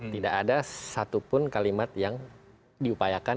tidak ada satupun kalimat yang diupayakan